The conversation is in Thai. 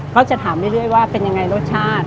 ก็จะถามเรื่อยว่าเป็นยังไงรสชาติ